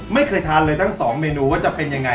ไม่เคยทานเลยทั้งสองเมนูว่าจะเป็นยังไง